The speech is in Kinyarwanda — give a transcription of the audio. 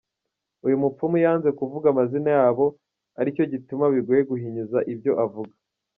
Uyu mupfumu yanze kuvuga amazina yabo, aricyo gituma bigoye guhinyuza ibyo avuga.